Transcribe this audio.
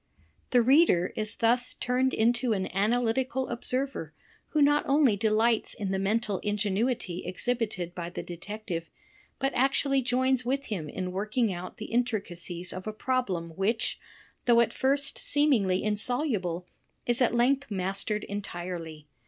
The [^^\ reader is thus turned into an analytical observer who not only delights in the mental ingenuity exhibited by the de tective, but actually joins with him in working out the intricacies of a problem which, though at first seemingly insoluble, is at length mastered entirely.